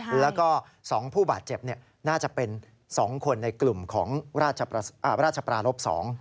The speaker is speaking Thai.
แล้วก็๒ผู้บาดเจ็บน่าจะเป็น๒คนในกลุ่มของราชปรารบ๒